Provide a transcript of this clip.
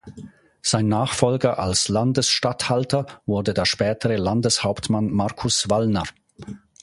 Sein Nachfolger als Landesstatthalter wurde der spätere Landeshauptmann Markus Wallner.